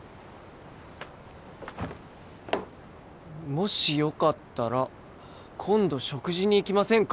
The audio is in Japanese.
「もしよかったら今度食事に行きませんか？」